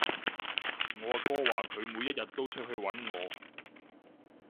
我阿哥話佢每一日都出去搵我